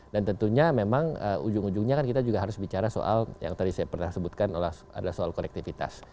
dan tentunya memang ujung ujungnya kan kita juga harus bicara soal yang tadi saya pernah sebutkan adalah soal konektivitas